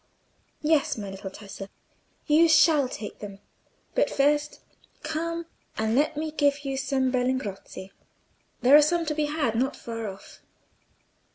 "Yes, my little Tessa, you shall take them; but first come and let me give you some berlingozzi. There are some to be had not far off."